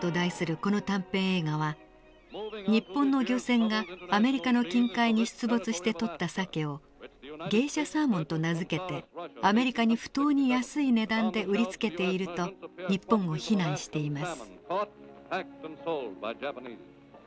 この短編映画は日本の漁船がアメリカの近海に出没して取ったサケをゲイシャサーモンと名付けてアメリカに不当に安い値段で売りつけていると日本を非難しています。